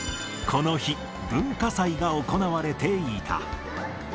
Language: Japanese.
この日、文化祭が行われていた。